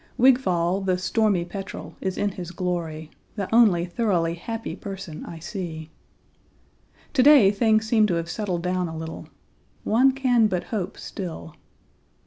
Wigfall, the "stormy petrel," is in his glory, the only thoroughly happy person I see. To day things seem to have settled down a little. One can but hope still.